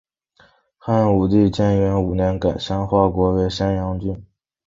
汉武帝建元五年改山划国为山阳郡。